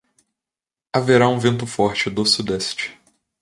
Haverá um vento forte do sudeste.